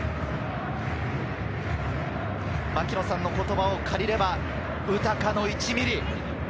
槙野さんの言葉を借りれば、「ウタカの１ミリ」。